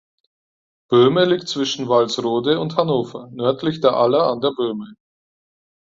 Böhme liegt zwischen Walsrode und Hannover nördlich der Aller an der Böhme.